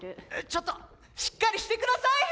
ちょっとしっかりして下さい！